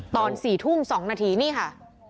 ตอน๔ทุ่ม๒นาทีนี่ค่ะ